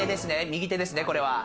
右手ですね、これは。